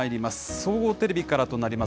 総合テレビからとなります。